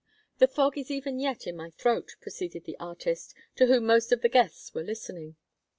"The fog is even yet in my throat," proceeded the artist, to whom most of the guests were listening.